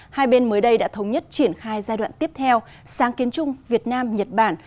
hai bên mới đây đã thống nhất triển khai giai đoạn tiếp theo sáng kiến chung việt nam nhật bản